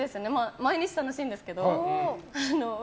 毎日楽しいんですけど。笑